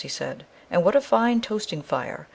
he said, "and what a fine toasting fire!